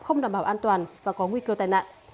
không đảm bảo an toàn và có nguy cơ tai nạn